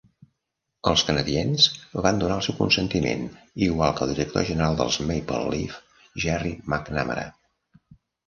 Els Canadiens van donar el seu consentiment, igual que el director general dels Maple Leaf, Gerry McNamara.